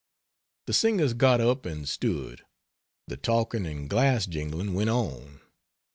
The Singers got up and stood the talking and glass jingling went on.